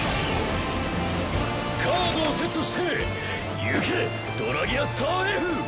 カードをセットしてゆけドラギアスターＦ！